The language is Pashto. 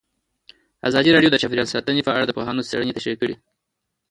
ازادي راډیو د چاپیریال ساتنه په اړه د پوهانو څېړنې تشریح کړې.